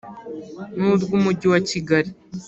n urw Umujyi wa Kigali